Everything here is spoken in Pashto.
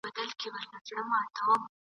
مُلا کوټوال وي مُلا ډاکتر وي !.